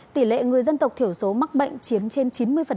tỷ lệ người dân tộc thiểu số mắc bệnh chiếm trên chín mươi